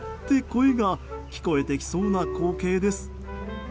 声が聞こえてきそうな光景です。